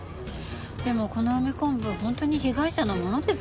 でもこの梅昆布本当に被害者のものですかね？